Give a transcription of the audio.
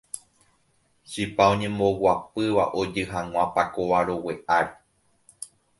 chipa oñemboguapýva ojy hag̃ua pakova rogue ári.